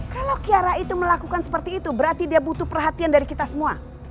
kalau kiara itu melakukan seperti itu berarti dia butuh perhatian dari kita semua